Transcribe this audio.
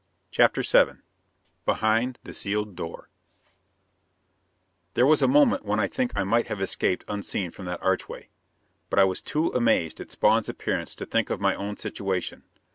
CHAPTER VII Behind the Sealed Door There was a moment when I think I might have escaped unseen from that archway. But I was too amazed at Spawn's appearance to think of my own situation.